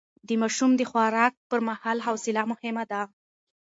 د ماشوم د خوراک پر مهال حوصله مهمه ده.